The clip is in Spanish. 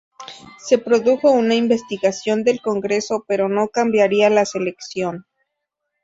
Se produjo una investigación del Congreso, pero no cambiaría la selección.